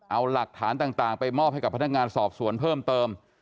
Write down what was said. เอาหลักฐานต่างไปมอบให้กับพนักงานสอบสวนเพิ่มเติม